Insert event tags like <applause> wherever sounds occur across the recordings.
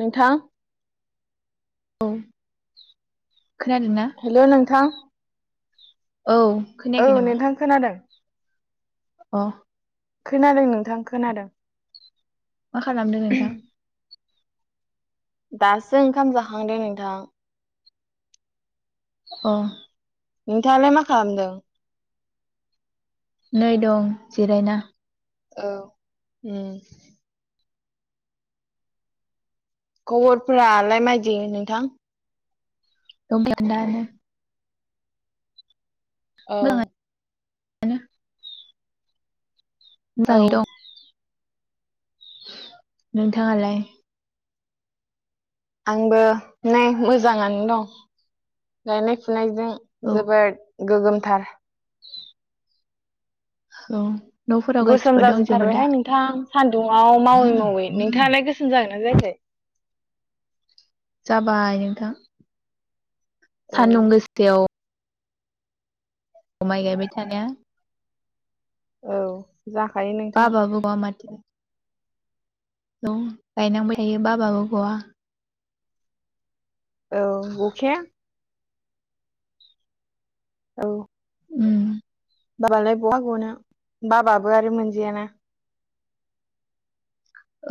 नोंथां? औ खोनादोंना हेल' नोंथां औ औ खोनायाखै नोंथां खोनादों औ खोनादों नोंथां खोनादों मा खालामदों नोंथां? दासो ओंखाम जाखांदो नोंथां अ नोंथाङालाय मा खालामदों? नै दं जिरायना औ खबरफोरालाय माइ ग नोंथां? <unintelligible> औ बि <unintelligible> औ मोजाङै दं नोंथाङालाय? आंबो नाय मोजाङानो दं गायनाय फुनाय जों औ जोबोद गोगोमथार औ न'फोराव गोसोम गासिबो दंजोबो दा जाजोबथारबायहाय नोंथां सान्दुआव मावै मावै नोंथाङालाय गोसोम जागोन जायाखै जाबाय नोंथां सान्दुं औ गोसथायाव माइ गायबाय थानाया औ जाखायो नोंथां बाबाबो गवा माथो औ गायनांबाय थायो बाबाबो गआ औ गखाया औ उम बाबालाय बहा गनो बाबाबो आरो मोनजयाना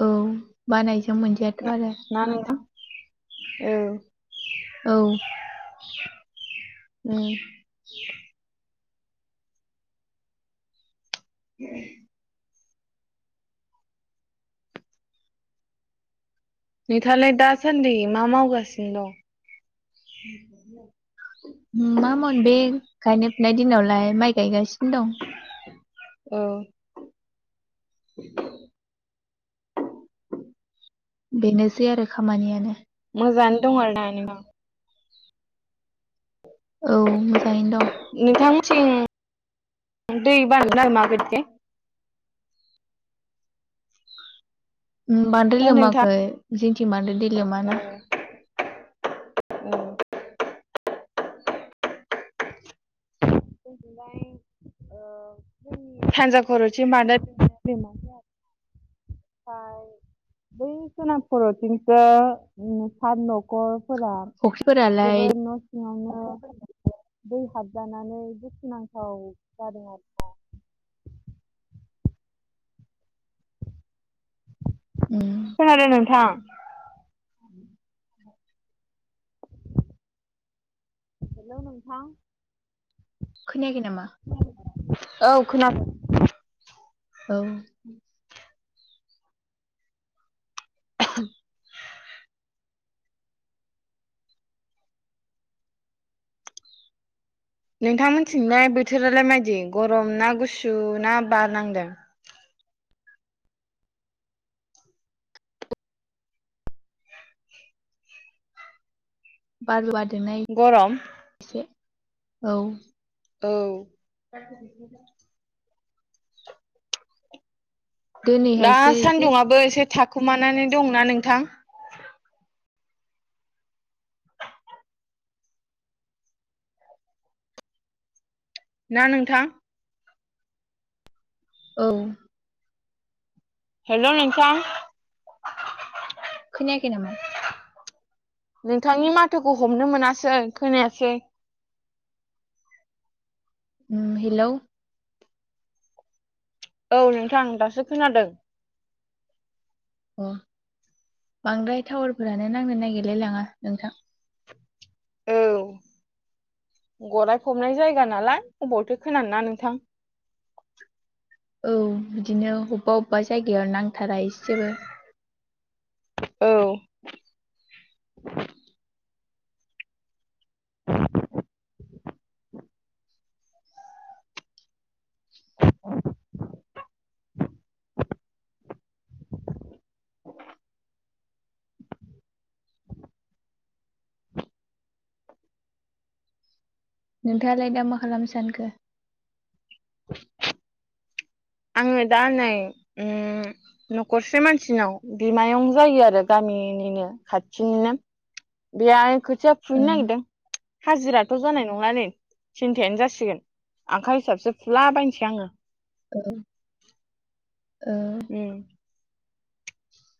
औ बानायजों मोनजायाथ' आरो ना नोंथां औ औ उम <unintelligible> नोंथाङालाय दासान्दै मा मावगासिनो दं? मामावनो बे गायनाय फुनाय दिनावलाय माइ गायगासिनो दं औ बेनोसै आरो खामानियानो मोजाङानो दं आरो ना नोंथां? औ मोजाङैनो दं नोंथांमोनिथिं <unintelligible> बानद्राय हो नोंथां लोमाखै जिंथिं बांद्राय दै लोमा ओ ना। <inaudible> उनदुनाय ओ जोंनि सानजा खर'थिं बानदाय थिं मानदाय ओमफाय बै सोनाब खर'थिंसो उम सत न'खर फोरा फुख्रिफोरालाय जोबोद न' सिङावनो दै हाबजानानै दुखुनांथाव जादों आरोना <inaudible> उम खोनादों नोंथां हेलौ नोंथा खोनायाखै नामा औ खोनादों औ <inaudible> नोंथांमोनथिंलाय बोथोरालाय मायदि गरम ना गुसु ना बारनांदों बार बारदोंनाय गरम एसे औ औ दा दिनैहायसो एसे सान्दुंआबो एसे थाखुमानानै दंना नोंथां? ना नोंथां औ हेलौ नोंथां खोनायाखै नामा? नोंथांनि माथोखौ हमनो मोनासै खोनायासै उम हेलौ औ नोंथां दासो खोनादों। अ बांद्राय टावारफोरानो नांनो नागिरलाय लाङा नोंथां। औ गराय फबनाय जायगा नालाय अबावथो खोनानो ना नोंथां। औ बिदिनो अबबा अबबा जायगाया नांथारा एसेबो औ नोंथाङालाय दा मा खालामनो सानखो? आङो दा नै उम न'खरसे मानसिनाव बिमायं जायो आरो गामि निनिनो खाथिनिनो बेयाय खोथिया फुहैनो ओं नागिरदों। हाजिराथ' जानाय नङानै थिन्थायानो जासिगोन आखाइ हिसाबसो फुला बायनसै आङो ओं ओ उं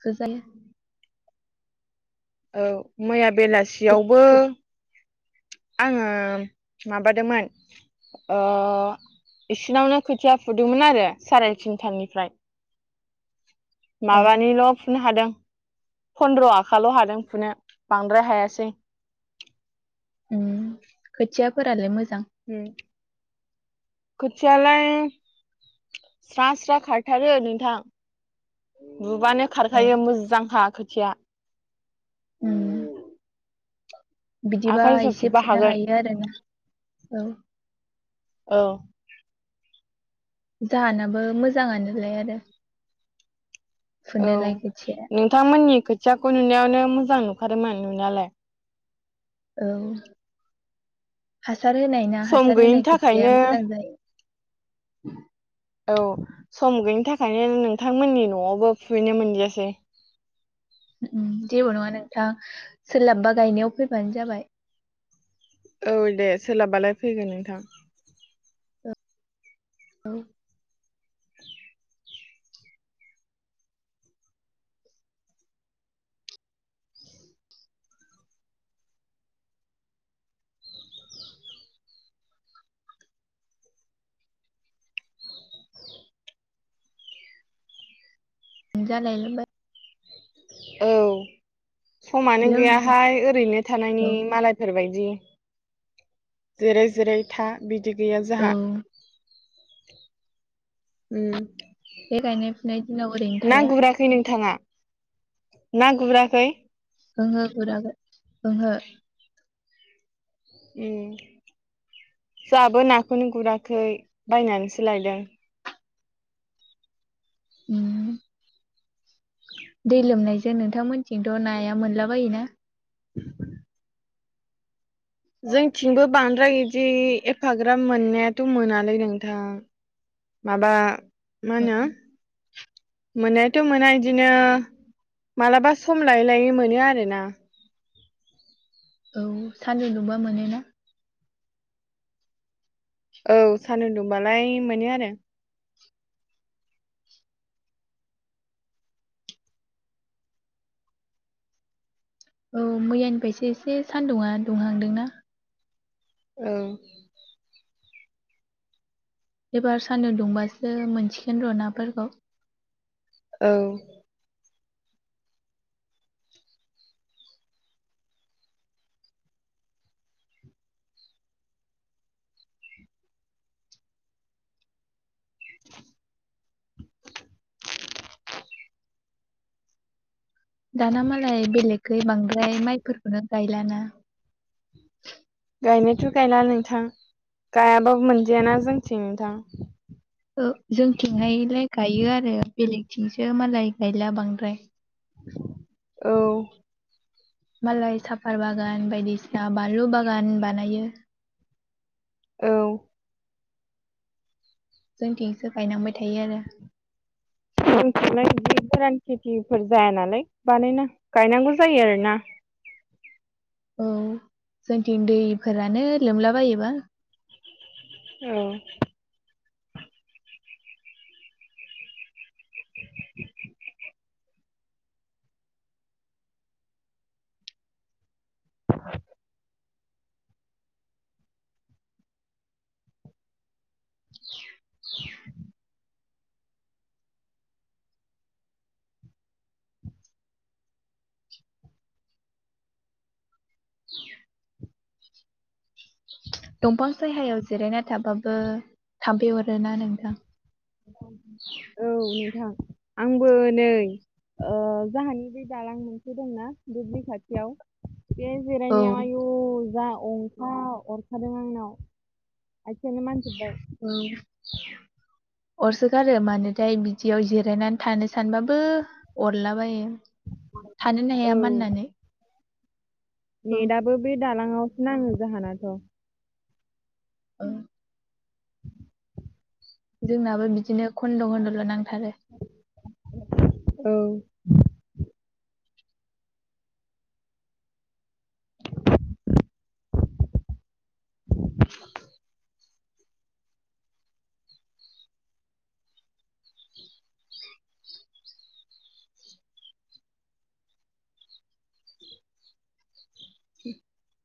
गोजाया औ मैया बेलासियावबो आङो माबादोंमोन ओ बिसिनावनो खोथिया फुदोंमोन आरो साराय थिनथानिफ्राय अ माबानिल' फुनो हादों फन्द्र' आखाल' हादों फुनो बांद्राय हायासै उम खोथियाफोरालाय मो उ खोथियालाय स्रा स्रा खारथारो नोंथां। बुबानो औ खारखायो मोजांखा खोथिया उम बिदिबा आखाइ हिसाब एसे फुबा फुनो हागोन हायो आरोना औ औ। <inaudible> जाहानाबो मोजाङानोलाय आरो। <inaudible> औ फुनोलाय खोथिया नोंथांमोननि खोथियाखौ नुनायावनो मोज जां नुखादोंमोन नुनायालाय। औ। <inaudible> हासार होनाय ना सम हासार गैयिनि होनाय खोथिया थाखायनो मोजां जायो। औ सम गैयिनि थाखायनो नोंथांमोननि न'आवबो फुहैनो मोनदियासै। <inaudible> जेबो नङा नोंथां सोलाबबा गायनायाव फैबानो जाबाय। औ दे सोलाबबालाय फैगोन नोंथां। औ। <unintelligible> औ समानो हेलौ नोंथां गैयाहाय ओरैनो थानायनि औ मालायफोरबायदि। जिराय जिराय था बिदि गैया औ जोंहा। <inaudible> उम। बे गायनाय फुनाय दिनाव ओरैनो ना थाया गुराखै नोंथाङा ना गुराखै? ओंहो गुराखै ओंहो। उम। जोंहाबो नाखौनो गुराखै बायनानैसो लायदों। उम। दै लोमनायजों नोंथांमोनथिंथ' नाया मोनला बायोना? <inaudible> जोंथिंबो बां द्राय बिदि एफाग्राब मोननायाथ' मोनालै नोंथां माबा मा होनो मोननायाथ' मोना इदिनो मालाबा सम लायै लायै मोनो आरोना। औ सानदुं दुंबा मोनोना? औ सानदुं दुंबालाय मोनो आरो। औ मैयानिफ्रायसो एसे सान्दुङा दुंहांदोंना? औ। एबार सान्दुं दुंबासो मोनसिगोन र' नाफोरखौ। औ। <inaudible> दाना मालाय बेलेखै बांद्राय माइफोरखौनो गायलाना। गायनायाथ' गायला नोंथां गायाबाबो मोनजायाना जोंथिं नोंथां। ओ जोंथिंहायलाय गायो आरो बेलेगथिंसो मालाय गायला बांद्राय। औ। मालाय साफा बागान बायदिसिना बानलु बागान बानायो। औ। जों थिंसो गायनांबाय। थायो आरो <unintelligible> गोरान खेथिफोर जाया नालाय बानायना गायनांगौ जायो आरोना। औ जोंथिं दैफोरानो लोमलाबायोबा। औ। <inaudible> दंफां सहायाव जिरायना थाबाबो थाफै अरोना नोंथां? औ नोंथां आंबो नै ओ जोंहानि बे दालां मोनसे दंना दुब्लि खाथियाव बेहाय औ जेरायनायाव आयौ जा अर अरखादों आंनाव आखायानो मानजोब्बाय औ अरस गार मानो जाय बिदियाव जिरायनानै थानो सानबाबो अरलाबायो। थानोनो हाया माननानै औ नेट दाबो बे दालाङावसो नाङो जाहोनाथ'। <inaudible> जोंनाबो बिदिनो खन्द' खन्दल' नांथारो। औ। <inaudible>